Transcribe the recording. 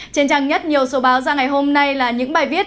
trên trang nhất nhiều số báo ra ngày hôm nay là những bài viết